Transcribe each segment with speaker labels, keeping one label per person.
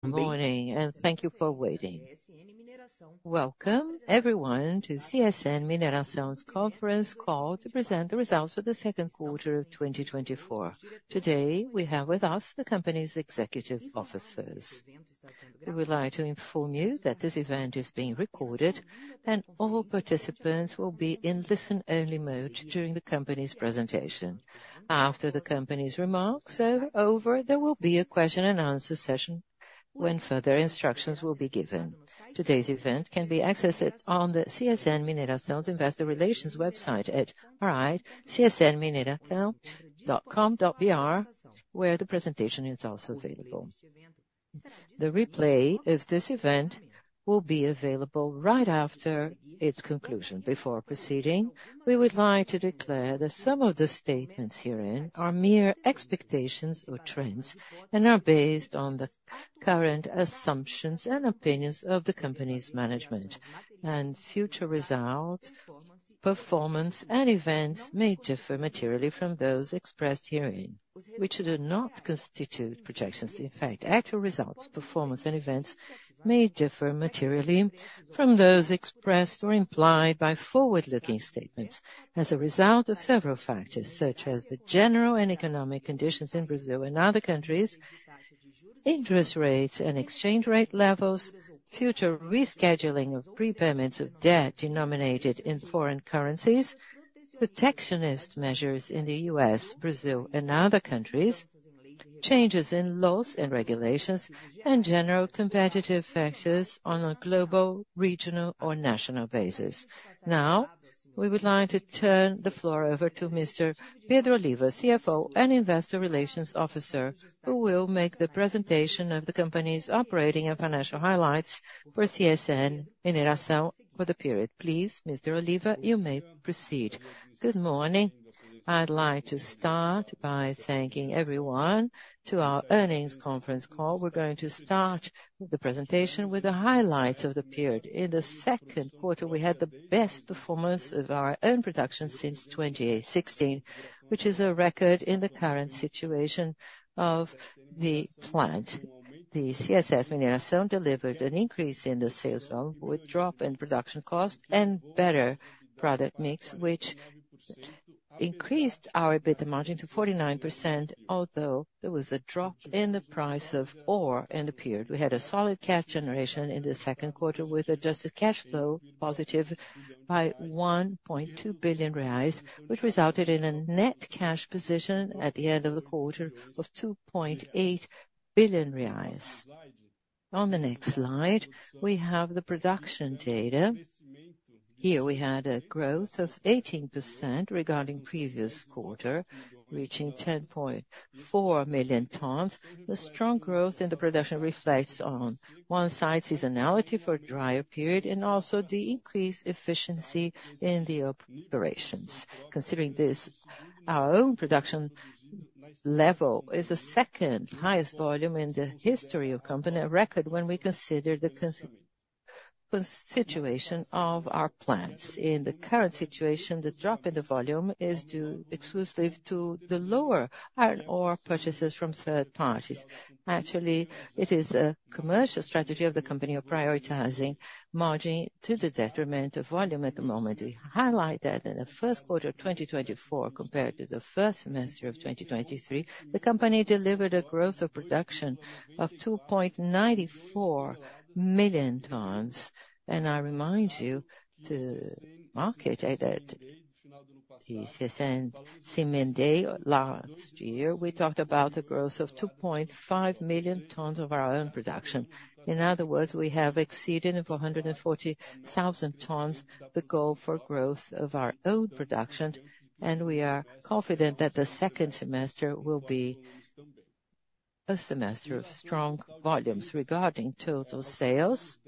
Speaker 1: ...Good morning, and thank you for waiting. Welcome, everyone, to CSN Mineração's conference call to present the results for the second quarter of 2024. Today, we have with us the company's executive officers. We would like to inform you that this event is being recorded, and all participants will be in listen-only mode during the company's presentation. After the company's remarks are over, there will be a question-and-answer session, when further instructions will be given. Today's event can be accessed on the CSN Mineração's Investor Relations website at, all right, csnmineracao.com.br, where the presentation is also available. The replay of this event will be available right after its conclusion. Before proceeding, we would like to declare that some of the statements herein are mere expectations or trends, and are based on the current assumptions and opinions of the company's management. Future results, performance, and events may differ materially from those expressed herein, which do not constitute projections. In fact, actual results, performance, and events may differ materially from those expressed or implied by forward-looking statements as a result of several factors, such as the general and economic conditions in Brazil and other countries, interest rates and exchange rate levels, future rescheduling of prepayments of debt denominated in foreign currencies, protectionist measures in the U.S., Brazil, and other countries, changes in laws and regulations, and general competitive factors on a global, regional, or national basis. Now, we would like to turn the floor over to Mr. Pedro Oliva, CFO and Investor Relations Officer, who will make the presentation of the company's operating and financial highlights for CSN Mineração for the period. Please, Mr. Oliva, you may proceed. Good morning.
Speaker 2: I'd like to start by thanking everyone to our earnings conference call. We're going to start the presentation with the highlights of the period. In the second quarter, we had the best performance of our own production since 2016, which is a record in the current situation of the plant. The CSN Mineração delivered an increase in the sales volume, with drop in production cost and better product mix, which increased our EBITDA margin to 49%, although there was a drop in the price of ore in the period. We had a solid cash generation in the second quarter, with adjusted cash flow positive by 1.2 billion reais, which resulted in a net cash position at the end of the quarter of 2.8 billion reais. On the next slide, we have the production data. Here, we had a growth of 18% regarding previous quarter, reaching 10.4 million tons. The strong growth in the production reflects on one side, seasonality for drier period, and also the increased efficiency in the operations. Considering this, our own production level is the second-highest volume in the history of the company, a record when we consider the situation of our plants. In the current situation, the drop in the volume is due exclusively to the lower iron ore purchases from third parties. Actually, it is a commercial strategy of the company of prioritizing margin to the detriment of volume at the moment. We highlight that in the first quarter of 2024, compared to the first semester of 2023, the company delivered a growth of production of 2.94 million tons. I remind you, the market, at the CSN Cement Day last year, we talked about the growth of 2.5 million tons of our own production. In other words, we have exceeded four hundred and forty thousand tons, the goal for growth of our own production, and we are confident that the second semester will be a semester of strong volumes. Regarding total sales,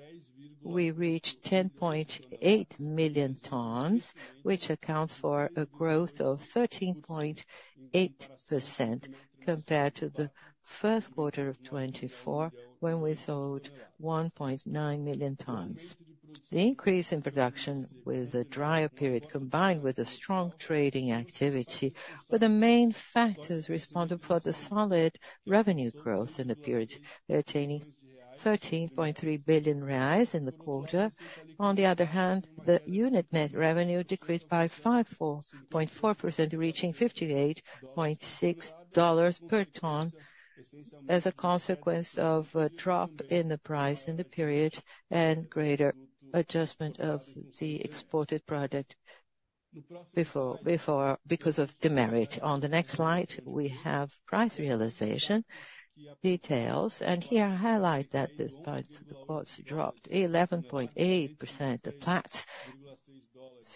Speaker 2: we reached 10.8 million tons, which accounts for a growth of 13.8% compared to the first quarter of 2024, when we sold 1.9 million tons. The increase in production with the drier period, combined with the strong trading activity, were the main factors responsible for the solid revenue growth in the period, attaining 13.3 billion reais in the quarter. On the other hand, the unit net revenue decreased by 54.4%, reaching $58.6 per ton as a consequence of a drop in the price in the period and greater adjustment of the exported product before, before, because of the merit. On the next slide, we have price realization details. Here, I highlight that this part, the costs dropped 11.8%, the Platts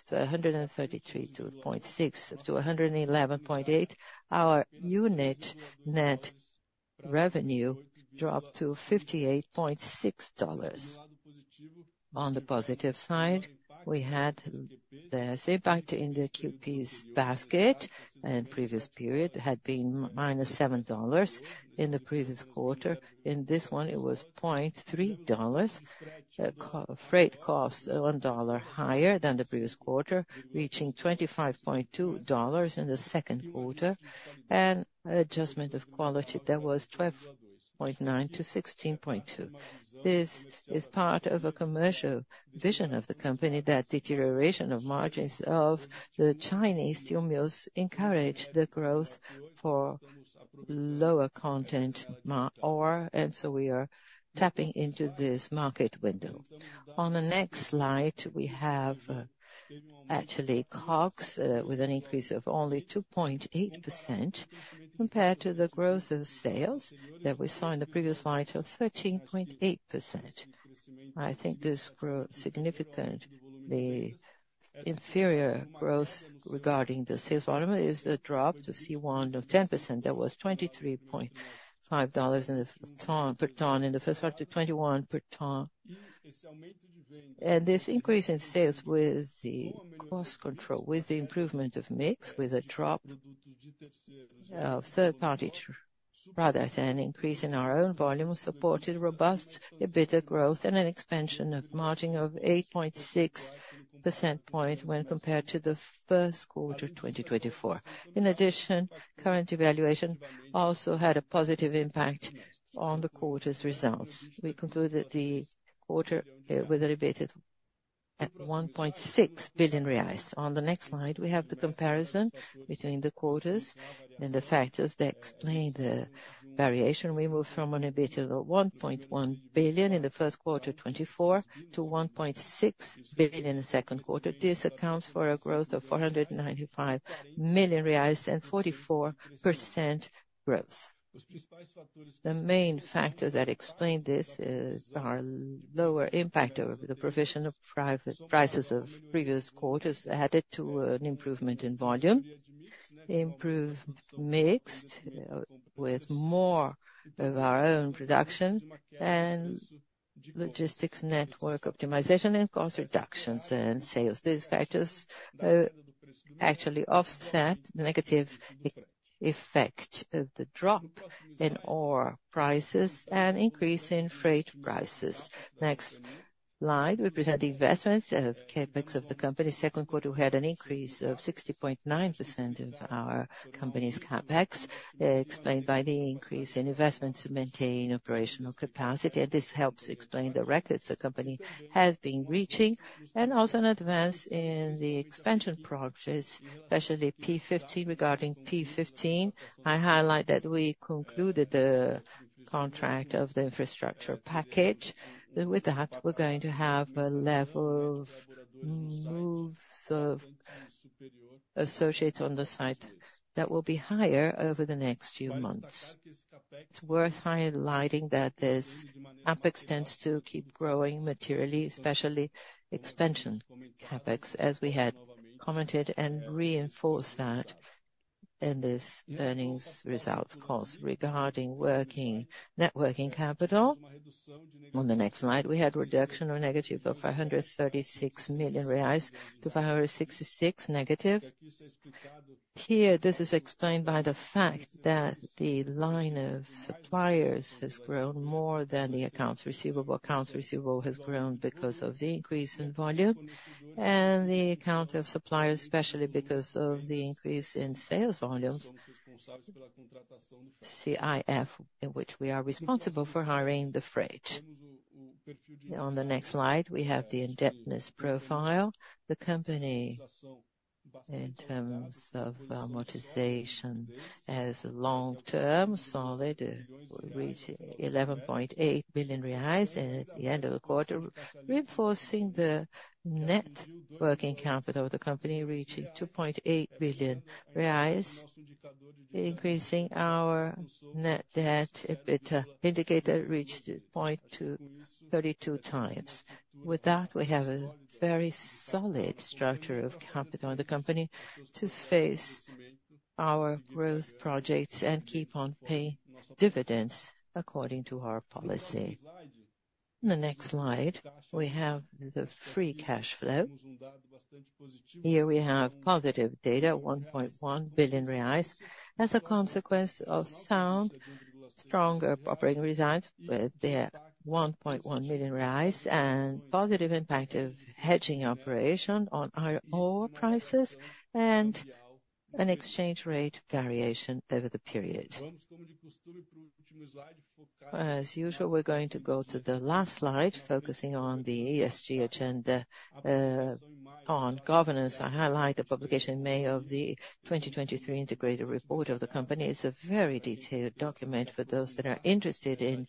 Speaker 2: to $133.6-$111.8. Our unit net revenue dropped to $58.6. On the positive side, we had the impact in the QPs basket, and previous period had been -$7 in the previous quarter. In this one, it was $0.3. CIF freight costs, $1 higher than the previous quarter, reaching $25.2 in the second quarter, and adjustment of quality, that was 12.9-16.2. This is part of a commercial vision of the company, that deterioration of margins of the Chinese steel mills encourage the growth for lower content ma- ore, and so we are tapping into this market window. On the next slide, we have, actually, COGS, with an increase of only 2.8% compared to the growth in sales that we saw in the previous slide of 13.8%. I think this grow significant. The inferior growth regarding the sales volume is the drop to C1 of 10%. That was $23.5 per ton in the first quarter to $21 per ton. This increase in sales with the cost control, with the improvement of mix, with a drop of third party, rather than an increase in our own volume, supported robust EBITDA growth and an expansion of margin of 8.6 percentage points when compared to the first quarter, 2024. In addition, current evaluation also had a positive impact on the quarter's results. We concluded the quarter with EBITDA at 1.6 billion reais. On the next slide, we have the comparison between the quarters and the factors that explain the variation. We moved from an EBITDA of 1.1 billion in the first quarter of 2024 to 1.6 billion in the second quarter. This accounts for a growth of 495 million reais and 44% growth. The main factors that explain this is our lower impact of the provision of prior prices of previous quarters, added to an improvement in volume, improved mix, with more of our own production and logistics network optimization and cost reductions and sales. These factors actually offset the negative effect of the drop in ore prices and increase in freight prices. Next slide. We present the investments of CapEx of the company. Second quarter, we had an increase of 60.9% of our company's CapEx, explained by the increase in investment to maintain operational capacity. This helps explain the records the company has been reaching and also an advance in the expansion projects, especially P15. Regarding P15, I highlight that we concluded the contract of the infrastructure package. With that, we're going to have a level of moves of associates on the site that will be higher over the next few months. It's worth highlighting that this CapEx tends to keep growing materially, especially expansion CapEx, as we had commented and reinforced that in this earnings results calls. Regarding net working capital, on the next slide, we had reduction or negative of 536 million-566 million reais negative. Here, this is explained by the fact that the line of suppliers has grown more than the accounts receivable. Accounts receivable has grown because of the increase in volume and the accounts payable, especially because of the increase in sales volumes, CIF, in which we are responsible for hiring the freight. On the next slide, we have the indebtedness profile. The company, in terms of amortization, has long-term, solid, reaching 11.8 billion reais and at the end of the quarter, reinforcing the net working capital of the company, reaching 2.8 billion reais, increasing our net debt, EBITDA indicator reached 0.32x. With that, we have a very solid structure of capital in the company to face our growth projects and keep on paying dividends according to our policy. In the next slide, we have the free cash flow. Here we have positive data, 1.1 billion reais, as a consequence of sound, stronger operating results, with the 1.1 billion and positive impact of hedging operation on our ore prices and an exchange rate variation over the period. As usual, we're going to go to the last slide, focusing on the ESG agenda, on governance. I highlight the publication in May of the 2023 integrated report of the company. It's a very detailed document for those that are interested in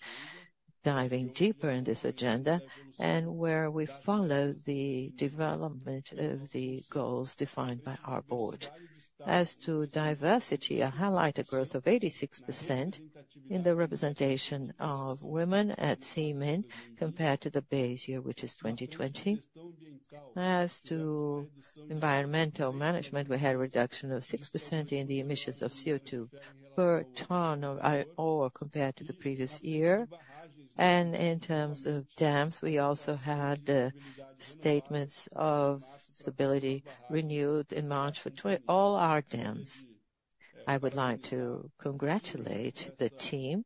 Speaker 2: diving deeper in this agenda and where we follow the development of the goals defined by our board. As to diversity, I highlight a growth of 86% in the representation of women at CSN Mineração, compared to the base year, which is 2020. As to environmental management, we had a reduction of 6% in the emissions of CO2 per ton of iron ore, compared to the previous year. And in terms of dams, we also had statements of stability renewed in March for all our dams. I would like to congratulate the team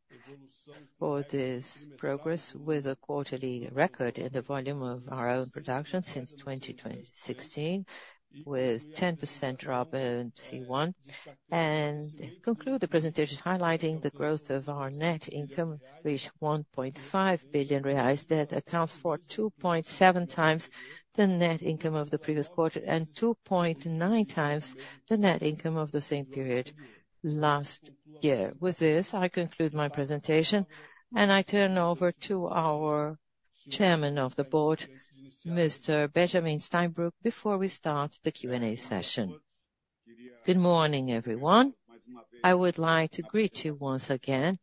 Speaker 2: for this progress with a quarterly record in the volume of our own production since 2016, with 10% drop in C1. And conclude the presentation, highlighting the growth of our net income, reached 1.5 billion reais. That accounts for 2.7x the net income of the previous quarter, and 2.9x the net income of the same period last year. With this, I conclude my presentation, and I turn over to our Chairman of the Board, Mr. Benjamin Steinbruch, before we start the Q&A session.
Speaker 3: Good morning, everyone. I would like to greet you once again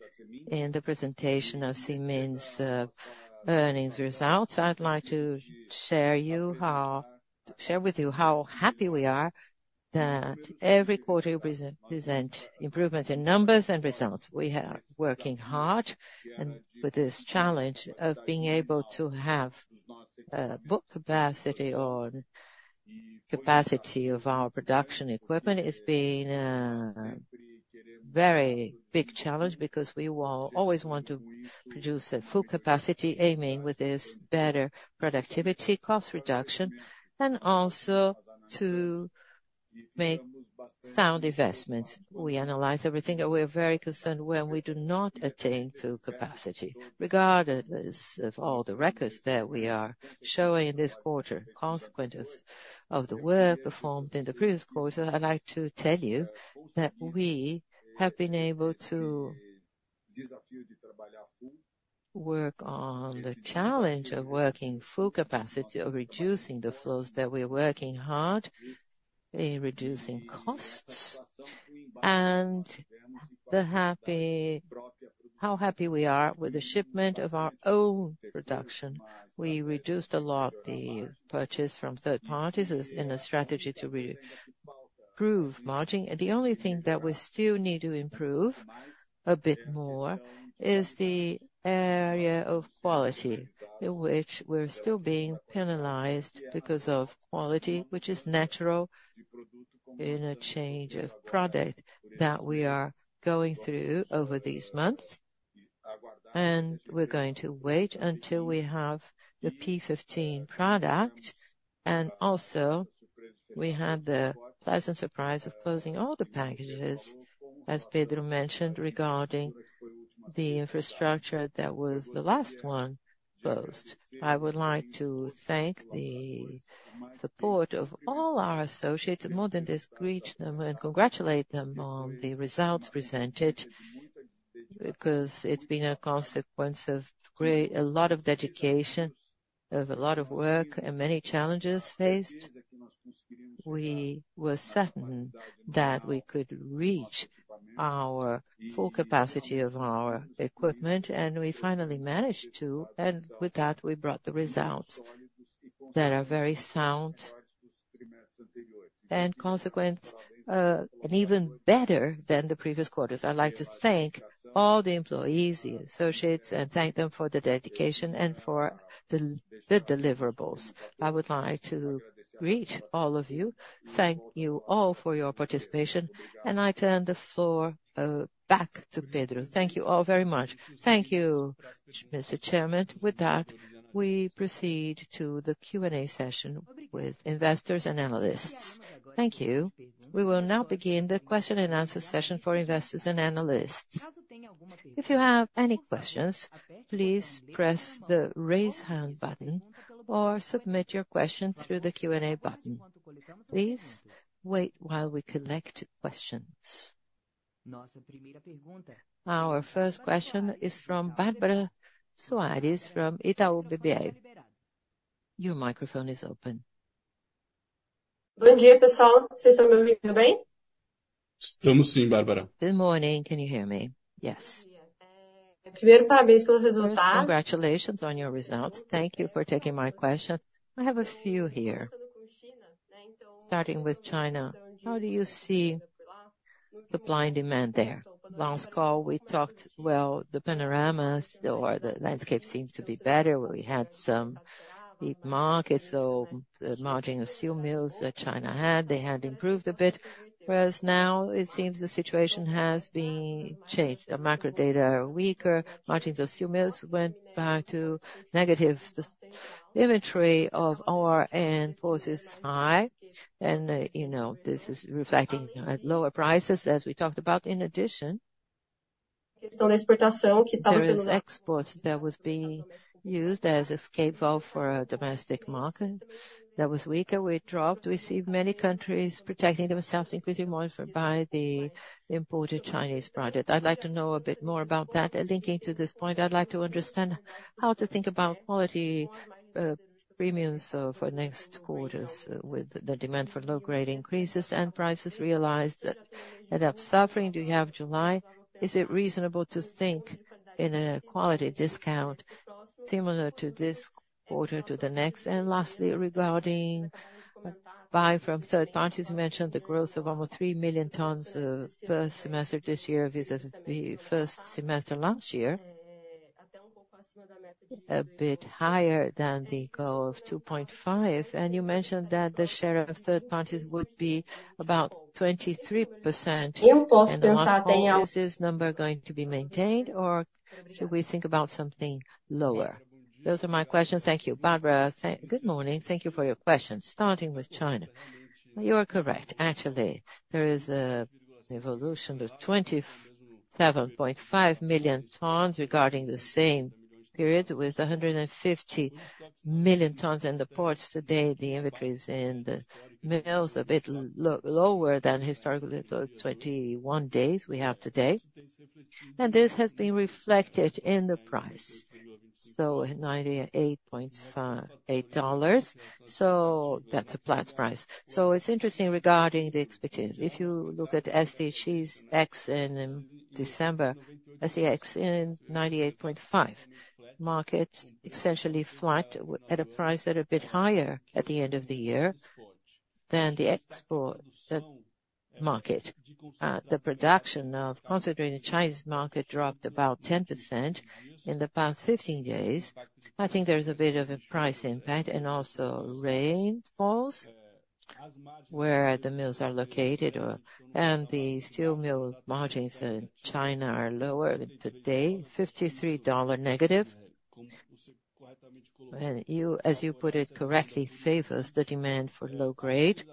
Speaker 3: in the presentation of CSN Mineração's earnings results. I'd like to share with you how happy we are that every quarter we present improvement in numbers and results. We are working hard, and with this challenge of being able to have book capacity or capacity of our production equipment, is being a very big challenge, because we will always want to produce at full capacity, aiming with this better productivity, cost reduction, and also to make sound investments. We analyze everything, and we're very concerned when we do not attain full capacity. Regardless of all the records that we are showing in this quarter, consequent of the work performed in the previous quarter, I'd like to tell you that we have been able to work on the challenge of working full capacity, of reducing the flows that we're working hard in reducing costs. And the happy—how happy we are with the shipment of our own production. We reduced a lot the purchase from third parties, as in a strategy to improve margin. The only thing that we still need to improve a bit more is the area of quality, in which we're still being penalized because of quality, which is natural in a change of product that we are going through over these months. We're going to wait until we have the P15 product. Also, we had the pleasant surprise of closing all the packages, as Pedro mentioned, regarding the infrastructure that was the last one closed. I would like to thank the support of all our associates, and more than just greet them and congratulate them on the results presented, because it's been a consequence of a lot of dedication, of a lot of work, and many challenges faced. We were certain that we could reach our full capacity of our equipment, and we finally managed to, and with that, we brought the results that are very sound and consequent, and even better than the previous quarters. I'd like to thank all the employees, the associates, and thank them for their dedication and for the deliverables. I would like to greet all of you, thank you all for your participation, and I turn the floor back to Pedro.
Speaker 2: Thank you all very much. Thank you, Mr. Chairman. With that, we proceed to the Q&A session with investors and analysts.
Speaker 1: Thank you. We will now begin the question and answer session for investors and analysts. If you have any questions, please press the Raise Hand button or submit your question through the Q&A button. Please wait while we collect questions. Our first question is from Bárbara Soares, from Itaú BBA. Your microphone is open.
Speaker 4: Good day, everyone. Can you hear me okay?
Speaker 2: We can, Bárbara. Good morning.
Speaker 4: Can you hear me?
Speaker 1: Yes.
Speaker 4: First, congratulations on your results. Thank you for taking my question. I have a few here. Starting with China, how do you see the supply and demand there? Last call, we talked, well, the panoramas or the landscape seems to be better. We had some big markets, so the margin of steel mills that China had, they had improved a bit, whereas now it seems the situation has been changed. The macro data are weaker, margins of steel mills went back to negative. The inventory of ore and port is high, and, you know, this is reflecting at lower prices, as we talked about. In addition, there is exports that was being used as escape valve for a domestic market that was weaker. We dropped. We see many countries protecting themselves, including more for by the imported Chinese product. I'd like to know a bit more about that. And linking to this point, I'd like to understand how to think about quality, premiums, for next quarters with the demand for low grade increases and prices realized that end up suffering. Do you have July? Is it reasonable to think in a quality discount similar to this quarter to the next? And lastly, regarding buy from third parties, you mentioned the growth of over 3 million tons of first semester this year versus the first semester last year.... a bit higher than the goal of 2.5, and you mentioned that the share of third parties would be about 23% in the market. Is this number going to be maintained, or should we think about something lower? Those are my questions. Thank you.
Speaker 2: Bárbara, good morning. Thank you for your question. Starting with China, you are correct. Actually, there is an evolution of 27.5 million tons regarding the same period, with 150 million tons in the ports. Today, the inventories in the mills a bit lower than historically, the 21 days we have today. And this has been reflected in the price, so at $98.58, so that's a flat price. So it's interesting regarding the expectation. If you look at SGX in December, SGX in $98.5. Market essentially flat at a price that a bit higher at the end of the year than the export market. The production of concentrated Chinese market dropped about 10% in the past 15 days. I think there's a bit of a price impact and also rainfalls where the mills are located or. And the steel mill margins in China are lower today, $53-. And you as you put it correctly, favors the demand for low grade.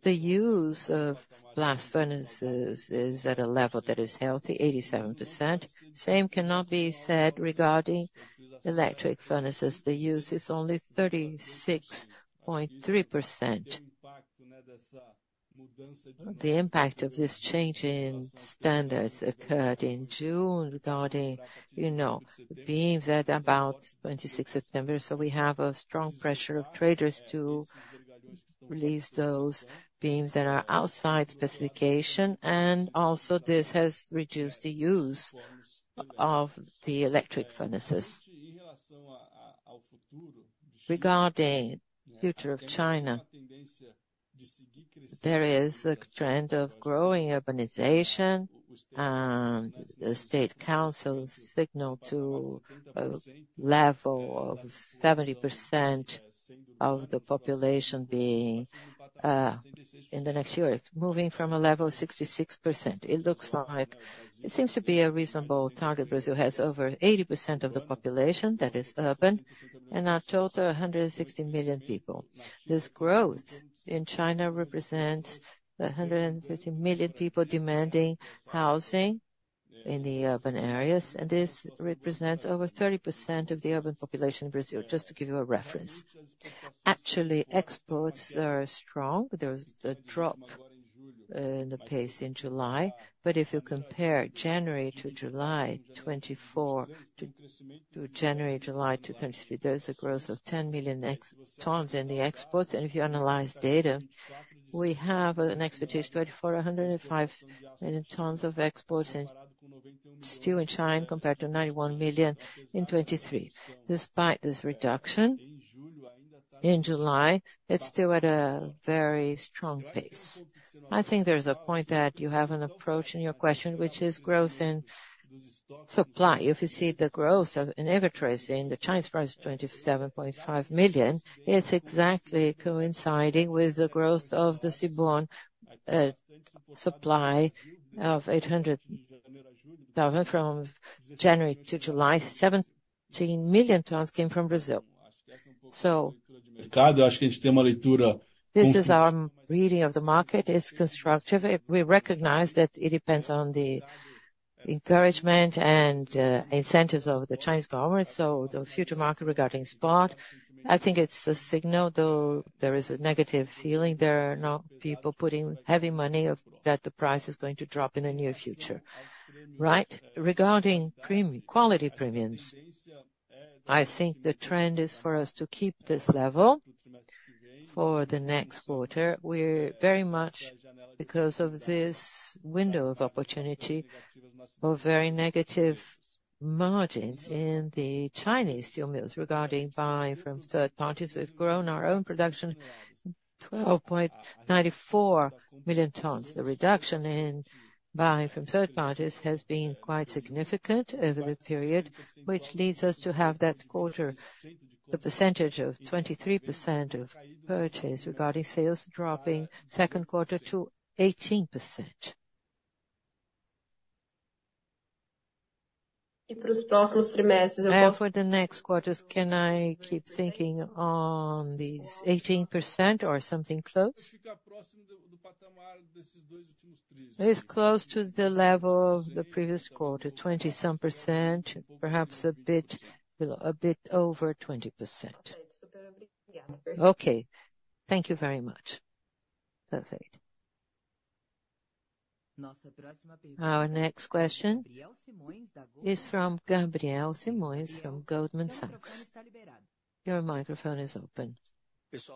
Speaker 2: The use of blast furnaces is at a level that is healthy, 87%. Same cannot be said regarding electric furnaces. The use is only 36.3%. The impact of this change in standards occurred in June, regarding, you know, beams at about 26 September. So we have a strong pressure of traders to release those beams that are outside specification, and also this has reduced the use of the electric furnaces. Regarding future of China, there is a trend of growing urbanization, and the state council signaled to a level of 70% of the population being in the next year, moving from a level of 66%. It looks like it seems to be a reasonable target. Brazil has over 80% of the population that is urban, and a total of 160 million people. This growth in China represents 150 million people demanding housing in the urban areas, and this represents over 30% of the urban population in Brazil, just to give you a reference. Actually, exports are strong. There was a drop in the pace in July, but if you compare January to July 2024 to January to July 2023, there is a growth of 10 million export tons in the exports. If you analyze data, we have an expectation of 2,405 million tons of exports in steel in China, compared to 91 million in 2023. Despite this reduction in July, it's still at a very strong pace. I think there's a point that you have an approach in your question, which is growth in supply. If you see the growth in inventories in the Chinese ports, 27.5 million, it's exactly coinciding with the growth of the seaborne supply of 800,000 from January to July. 17 million tons came from Brazil. So this is our reading of the market, it's constructive. We recognize that it depends on the encouragement and incentives of the Chinese government. So the future market regarding spot, I think it's a signal, though, there is a negative feeling. There are not people putting heavy money of that the price is going to drop in the near future, right? Regarding premium quality premiums, I think the trend is for us to keep this level for the next quarter. We're very much, because of this window of opportunity, of very negative margins in the Chinese steel mills regarding buying from third parties. We've grown our own production, 12.94 million tons. The reduction in buying from third parties has been quite significant over the period, which leads us to have that quarter, the percentage of 23% of purchase regarding sales dropping second quarter to 18%.
Speaker 4: And for the next quarters, can I keep thinking on these 18% or something close?
Speaker 2: It's close to the level of the previous quarter, 20-some %, perhaps a bit below, a bit over 20%.
Speaker 4: Okay, thank you very much.
Speaker 2: Perfect.
Speaker 1: Our next question is from Gabriel Simões, from Goldman Sachs. Your microphone is open.
Speaker 5: Thanks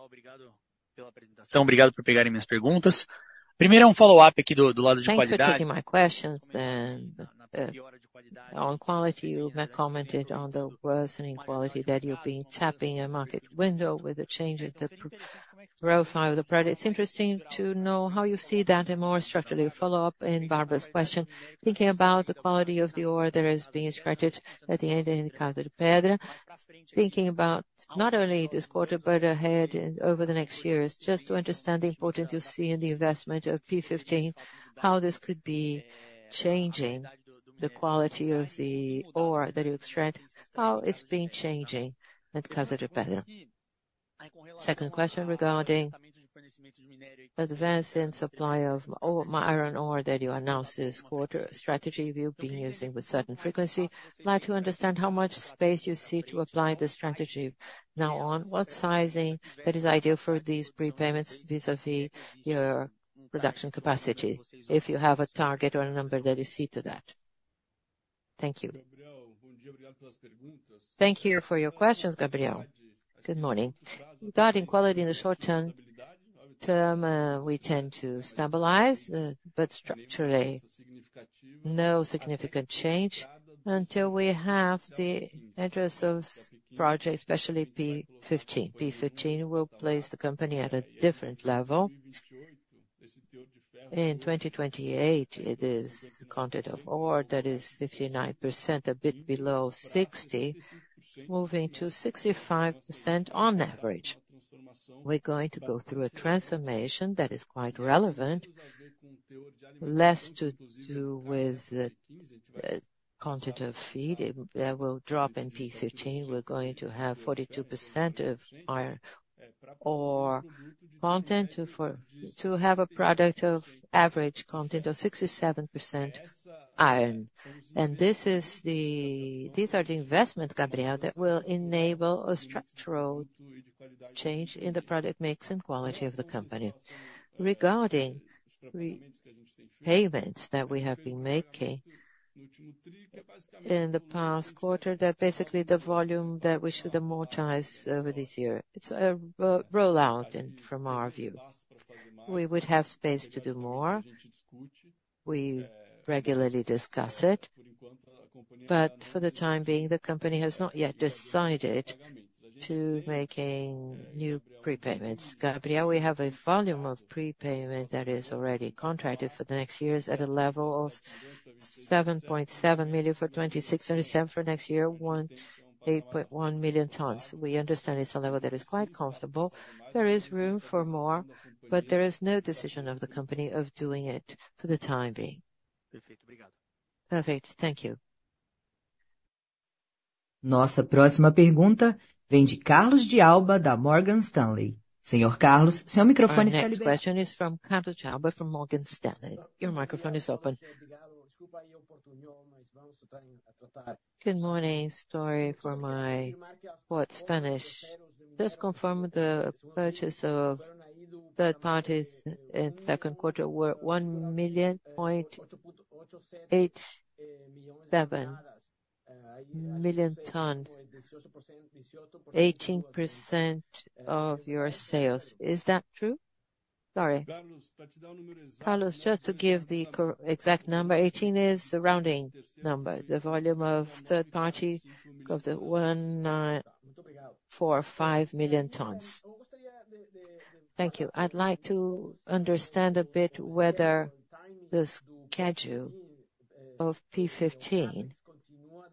Speaker 5: for taking my questions. And, on quality, you commented on the worsening quality, that you'll be tapping a market window with the change in the pro-... profile of the project. It's interesting to know how you see that in more structurally follow-up in Bárbara's question, thinking about the quality of the ore that is being extracted at the end in Casa de Pedra. Thinking about not only this quarter, but ahead and over the next years, just to understand the importance you see in the investment of P15, how this could be changing the quality of the ore that you extract, how it's been changing at Casa de Pedra? Second question regarding advance and supply of iron ore that you announced this quarter, strategy you've been using with certain frequency. I'd like to understand how much space you see to apply this strategy now on, what sizing that is ideal for these prepayments vis-à-vis your production capacity, if you have a target or a number that you see to that. Thank you.
Speaker 2: Thank you for your questions, Gabriel. Good morning. Regarding quality, in the short-term, we tend to stabilize, but structurally, no significant change until we have the Itabirito project, especially P15. P15 will place the company at a different level. In 2028, it is the content of ore that is 59%, a bit below 60, moving to 65% on average. We're going to go through a transformation that is quite relevant, less to do with the content of feed. That will drop in P15. We're going to have 42% of iron ore content to have a product of average content of 67% iron. And these are the investments, Gabriel, that will enable a structural change in the product mix and quality of the company. Regarding the payments that we have been making in the past quarter, that basically the volume that we should amortize over this year. It's a roll out in, from our view. We would have space to do more. We regularly discuss it, but for the time being, the company has not yet decided to making new prepayments. Gabriel, we have a volume of prepayment that is already contracted for the next years at a level of 7.7 million for 2026, and 7 for next year, 18.1 million tons. We understand it's a level that is quite comfortable. There is room for more, but there is no decision of the company of doing it for the time being.
Speaker 5: Perfect. Thank you.
Speaker 1: Our next question is from Carlos de Alba, from Morgan Stanley. Your microphone is open.
Speaker 6: Good morning. Sorry for my poor Spanish. Just confirm the purchase of third parties in second quarter were 1.87 million tons, 18% of your sales. Is that true?
Speaker 2: Sorry. Carlos, just to give the exact number, 18 is a rounding number. The volume of third party got to 1.945 million tons.
Speaker 6: Thank you. I'd like to understand a bit whether the schedule of P15,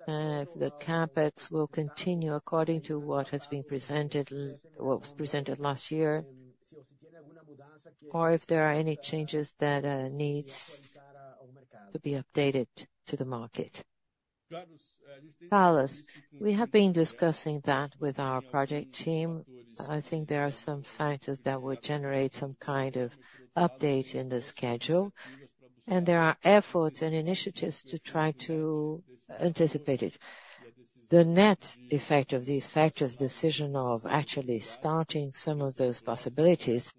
Speaker 6: if the CapEx will continue according to what has been presented, what was presented last year, or if there are any changes that needs to be updated to the market.
Speaker 2: Carlos, we have been discussing that with our project team. I think there are some factors that would generate some kind of update in the schedule, and there are efforts and initiatives to try to anticipate it. The net effect of these factors, decision of actually starting some of those possibilities,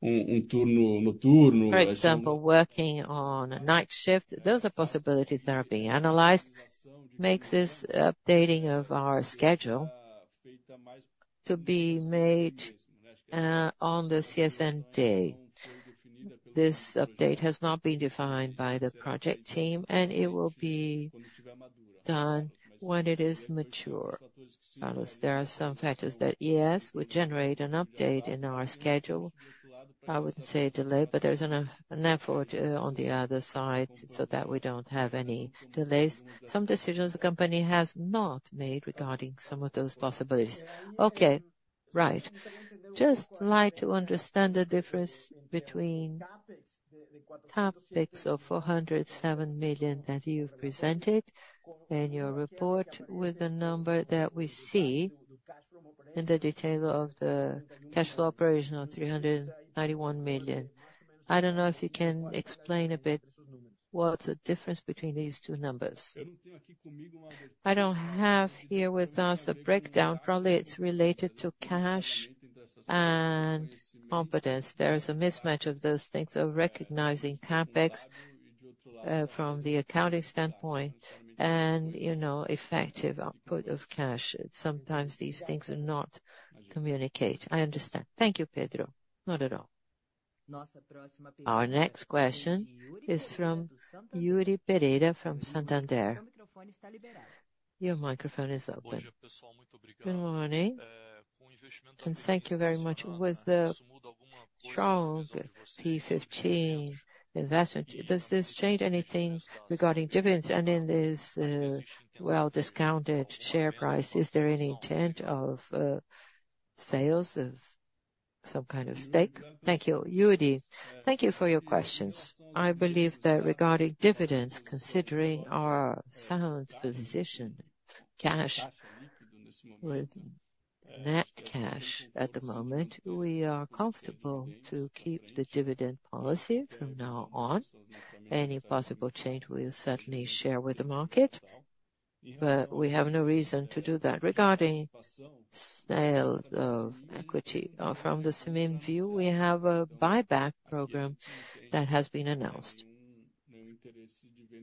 Speaker 2: for example, working on a night shift, those are possibilities that are being analyzed, makes this updating of our schedule to be made on the CSN date. This update has not been defined by the project team, and it will be done when it is mature. Carlos, there are some factors that, yes, would generate an update in our schedule. I wouldn't say delay, but there's an effort on the other side so that we don't have any delays. Some decisions the company has not made regarding some of those possibilities.
Speaker 6: Okay. Right. Just like to understand the difference between CapEx of 407 million that you've presented in your report with the number that we see in the detail of the cash flow operation of 391 million. I don't know if you can explain a bit, what's the difference between these two numbers?
Speaker 2: I don't have here with us a breakdown. Probably, it's related to cash and competence. There is a mismatch of those things of recognizing CapEx from the accounting standpoint and, you know, effective output of cash. Sometimes these things are not communicate.
Speaker 6: I understand. Thank you, Pedro. Not at all.
Speaker 1: Our next question is from Yuri Pereira from Santander. Your microphone is open.
Speaker 7: Good morning, and thank you very much. With the strong P15 investment, does this change anything regarding dividends? And in this, well-discounted share price, is there any intent of, sales of some kind of stake? Thank you.
Speaker 2: Yuri, thank you for your questions. I believe that regarding dividends, considering our sound position, cash with net cash at the moment, we are comfortable to keep the dividend policy from now on. Any possible change, we'll certainly share with the market, but we have no reason to do that. Regarding sale of equity, from the view, we have a buyback program that has been announced.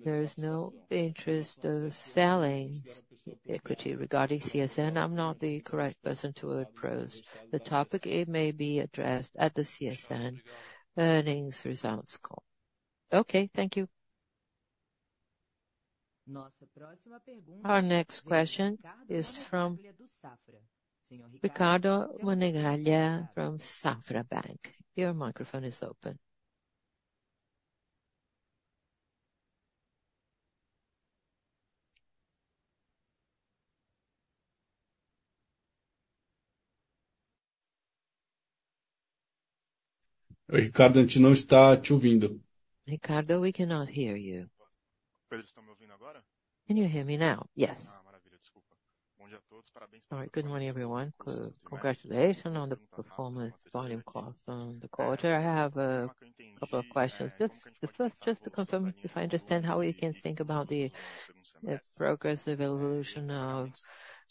Speaker 2: There is no interest of selling equity. Regarding CSN, I'm not the correct person to approach the topic. It may be addressed at the CSN earnings results call.
Speaker 7: Okay, thank you.
Speaker 1: Our next question is from Ricardo Monegaglia from Safra Banco. Your microphone is open. Ricardo, we cannot hear you.
Speaker 8: Can you hear me now?
Speaker 1: Yes.
Speaker 8: All right. Good morning, everyone. Congratulations on the performance volume calls on the quarter. I have a couple of questions. Just, the first, just to confirm if I understand how we can think about the progressive evolution of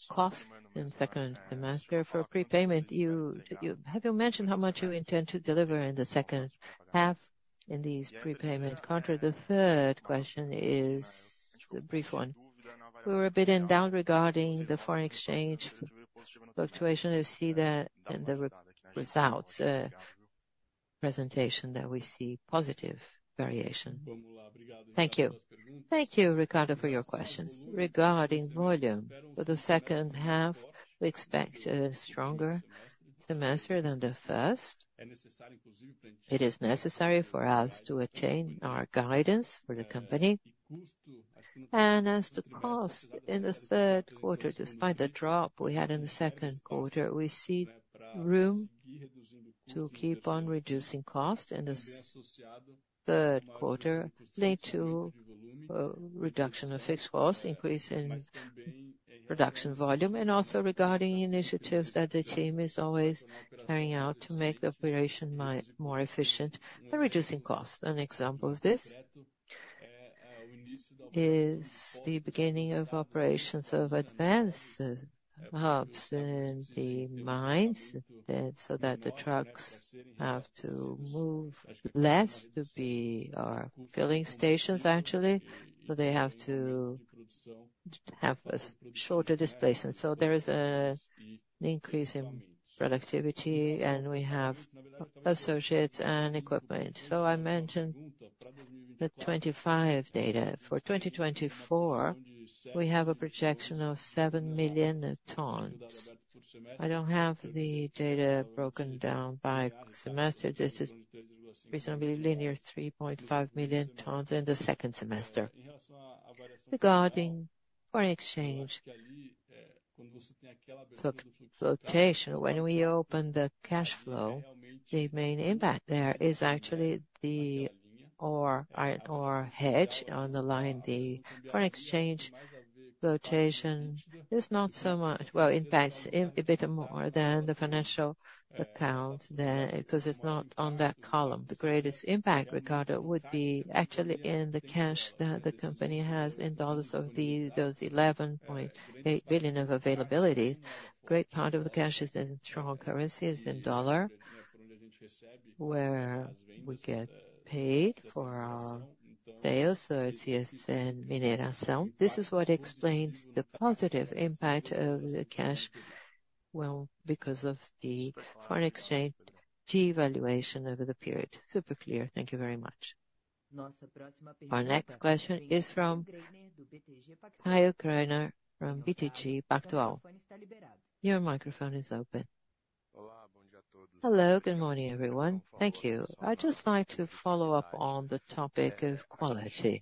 Speaker 8: costs in second semester. For prepayment, did you mention how much you intend to deliver in the second half in these prepayment contract? The third question is a brief one. We were a bit in doubt regarding the foreign exchange fluctuation. I see that in the results presentation, that we see positive variation. Thank you.
Speaker 2: Thank you, Ricardo, for your questions. Regarding volume, for the second half, we expect a stronger semester than the first. It is necessary for us to attain our guidance for the company. As to cost, in the third quarter, despite the drop we had in the second quarter, we see room to keep on reducing cost in this third quarter, lead to reduction of fixed costs, increase in production volume, and also regarding initiatives that the team is always carrying out to make the operation more efficient and reducing costs. An example of this is the beginning of operations of advanced hubs in the mines, so that the trucks have to move less to the filling stations, actually, so they have to have a shorter displacement. There is an increase in productivity, and we have associates and equipment. I mentioned the 25 data. For 2024, we have a projection of 7 million tons. I don't have the data broken down by semester. This is reasonably linear, 3.5 million tons in the second semester. Regarding foreign exchange fluctuation, when we open the cash flow, the main impact there is actually the iron ore hedge underlying the foreign exchange fluctuation. It's not so much—Well, it impacts a bit more than the financial account there, because it's not on that column. The greatest impact, Ricardo, would be actually in the cash that the company has in dollars of those $11.8 billion of availability. Great part of the cash is in strong currency, is in dollars, where we get paid for our sales, so it's CSN Mineração. This is what explains the positive impact of the cash, well, because of the foreign exchange devaluation over the period. Super clear.
Speaker 8: Thank you very much.
Speaker 1: Our next question is from Caio Greiner from BTG Pactual. Your microphone is open.
Speaker 9: Hello, good morning, everyone. Thank you. I'd just like to follow up on the topic of quality.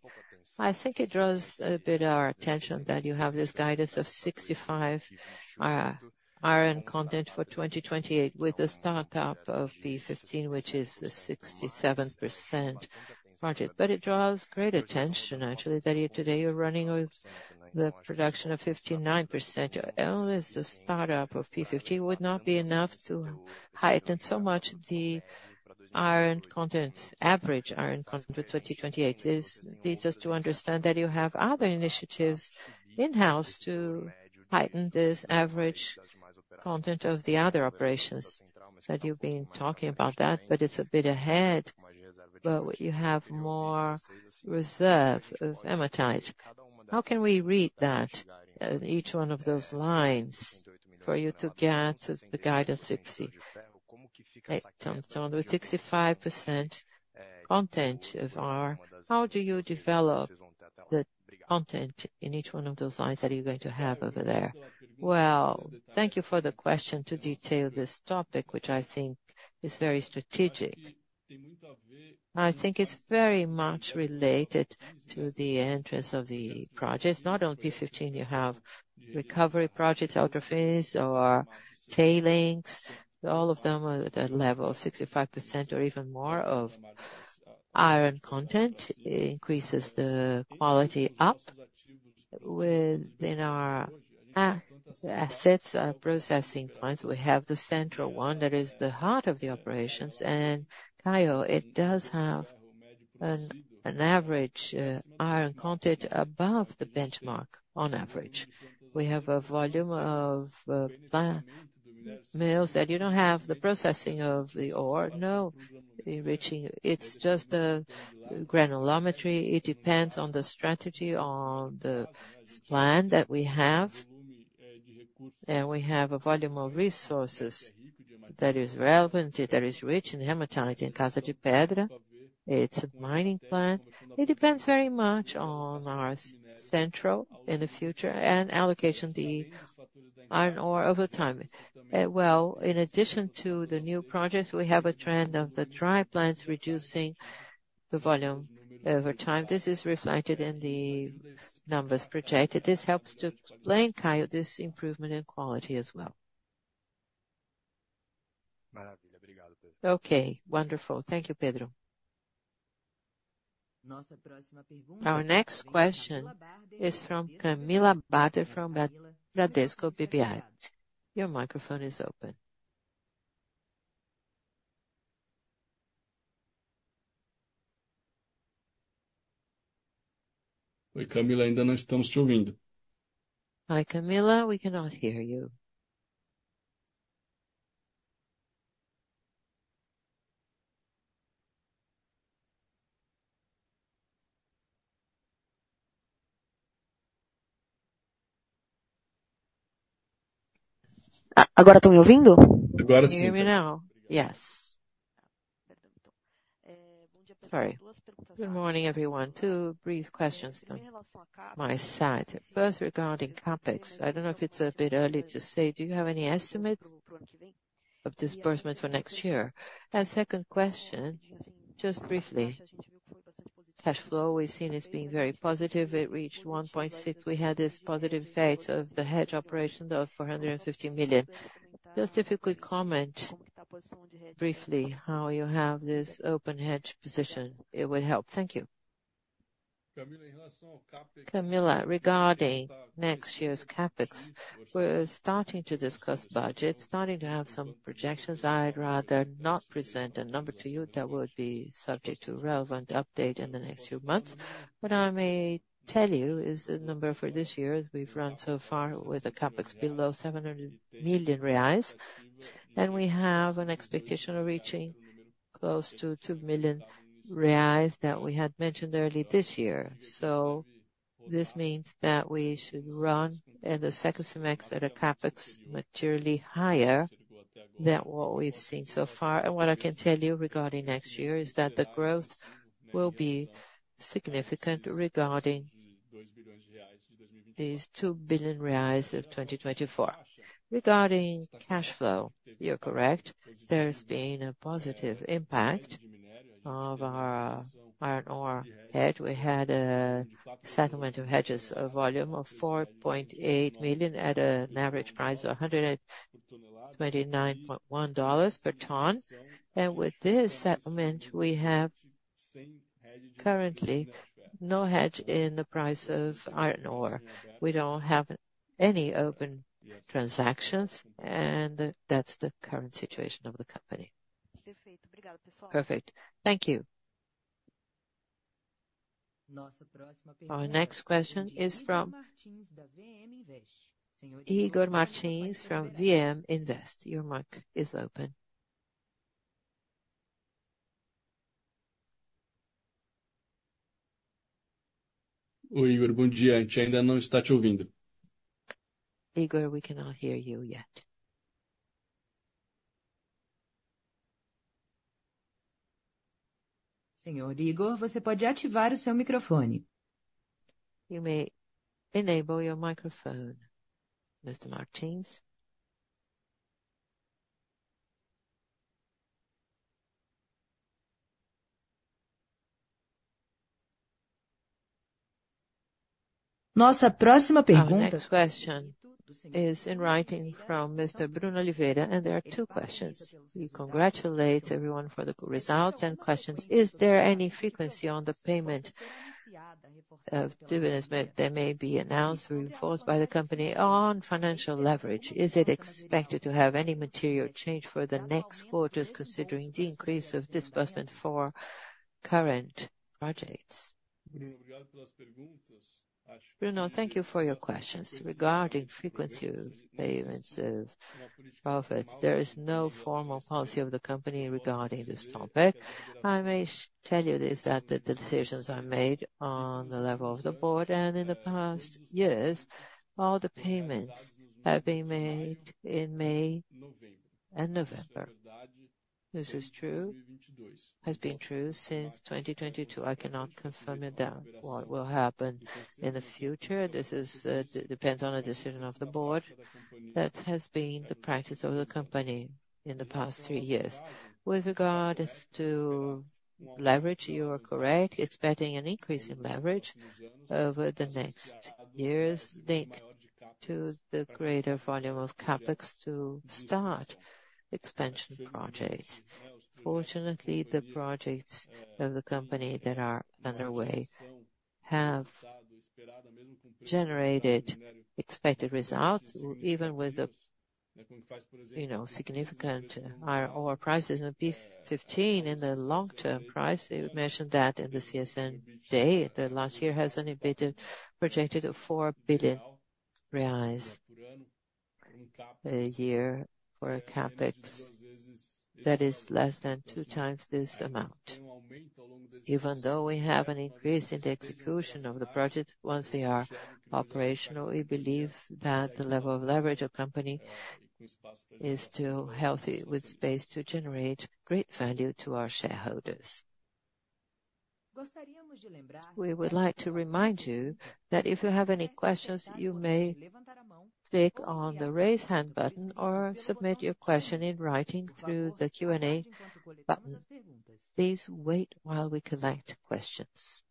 Speaker 9: I think it draws a bit our attention that you have this guidance of 65, iron content for 2028, with a start-up of P15, which is a 67% project. But it draws great attention, actually, that you today you're running of the production of 59%. Only the start-up of P15 would not be enough to heighten so much the iron content, average iron content for 2028. Is it just to understand that you have other initiatives in-house to heighten this average content of the other operations, that you've been talking about that, but it's a bit ahead, but you have more reserve of hematite. How can we read that, each one of those lines?... for you to get to the guidance 65. Hematite, with 65% content of our, how do you develop the content in each one of those lines that you're going to have over there?
Speaker 2: Well, thank you for the question to detail this topic, which I think is very strategic. I think it's very much related to the entrance of the projects. Not on P15, you have recovery projects, out of phase or tailings. All of them are at a level of 65% or even more of iron content. It increases the quality up. Within our assets, processing points, we have the central one that is the heart of the operations. And Caio, it does have an average iron content above the benchmark. On average, we have a volume of pa-mills that you don't have the processing of the ore? No, enriching. It's just a granulometry. It depends on the strategy, on the plan that we have, and we have a volume of resources that is relevant, that is rich in hematite, in Casa de Pedra, it's a mining plant. It depends very much on our central in the future and allocation the iron ore over time. Well, in addition to the new projects, we have a trend of the dry plants reducing the volume over time. This is reflected in the numbers projected. This helps to explain, Caio, this improvement in quality as well.
Speaker 9: Okay, wonderful. Thank you, Pedro.
Speaker 1: Our next question is from Camilla Barder, from Bradesco BBI. Your microphone is open.
Speaker 2: Hi, Camilla, we cannot hear you.
Speaker 10: Hear me now? You hear me now.
Speaker 2: Yes.
Speaker 10: Sorry. Good morning, everyone. Two brief questions on my side. First, regarding CapEx, I don't know if it's a bit early to say: Do you have any estimate of disbursement for next year? Second question, just briefly, cash flow we've seen as being very positive. It reached 1.6 billion. We had this positive effect of the hedge operations of 450 million. Just if you could comment briefly how you have this open hedge position, it would help.
Speaker 2: Thank you. Camilla, regarding next year's CapEx, we're starting to discuss budget, starting to have some projections. I'd rather not present a number to you that would be subject to relevant update in the next few months. What I may tell you is the number for this year. We've run so far with a CapEx below 700 million reais, and we have an expectation of reaching close to 2 million reais that we had mentioned early this year. So this means that we should run in the second semester at a CapEx materially higher than what we've seen so far. And what I can tell you regarding next year is that the growth will be significant regarding these 2 billion reais of 2024. Regarding cash flow, you're correct. There's been a positive impact of our iron ore hedge. We had a settlement of hedges, a volume of 4.8 million, at an average price of $129.1 per ton. And with this settlement, we have currently no hedge in the price of iron ore. We don't have any open transactions, and that's the current situation of the company.
Speaker 10: Perfect. Thank you.
Speaker 1: Our next question is from Igor Martins, from Vokin Investimentos. Your mic is open. Igor, we cannot hear you yet. You may enable your microphone, Mr. Martins.
Speaker 11: Our next question is in writing from Mr. Bruno Oliveira, and there are two questions. We congratulate everyone for the good results and questions. Is there any frequency on the payment of dividends that may be announced or enforced by the company on financial leverage? Is it expected to have any material change for the next quarters, considering the increase of disbursement for current projects?
Speaker 2: Bruno, thank you for your questions. Regarding frequency of payments of profit. There is no formal policy of the company regarding this topic. I may tell you this, that the decisions are made on the level of the board, and in the past years, all the payments have been made in May and November. This is true, has been true since 2022. I cannot confirm it that what will happen in the future, this is, depends on a decision of the board. That has been the practice of the company in the past 3 years. With regard to leverage, you are correct, expecting an increase in leverage over the next years, thanks to the greater volume of CapEx to start expansion projects. Fortunately, the projects of the company that are underway have generated expected results, even with the, you know, significant higher ore prices of P15 in the long-term price. We mentioned that in the CSN Day, that last year has only been projected at 4 billion reais a year for a CapEx that is less than 2x this amount. Even though we have an increase in the execution of the project, once they are operational, we believe that the level of leverage of company is still healthy, with space to generate great value to our shareholders.
Speaker 1: We would like to remind you that if you have any questions, you may click on the Raise Hand button or submit your question in writing through the Q&A button. Please wait while we collect questions.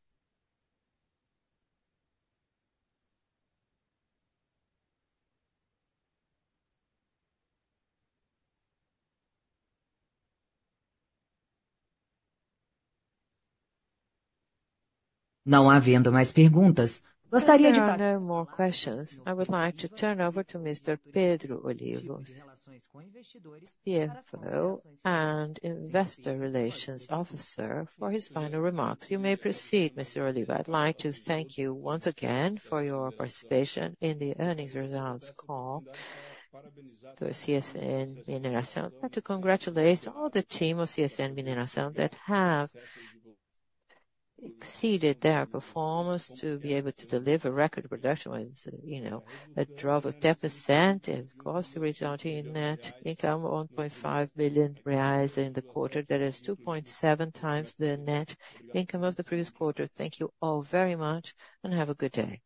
Speaker 1: There are no more questions. I would like to turn over to Mr. Pedro Oliva, CFO and Investor Relations Officer, for his final remarks. You may proceed, Mr. Oliva.
Speaker 2: I'd like to thank you once again for your participation in the earnings results call to CSN Mineração, and to congratulate all the team of CSN Mineração that have exceeded their performance to be able to deliver record production with, you know, a drop of 10% and cost resulting in net income of 1.5 billion reais in the quarter. That is 2.7x the net income of the previous quarter. Thank you all very much, and have a good day.